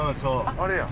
あれやん。